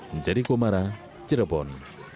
menjadi komara cirebon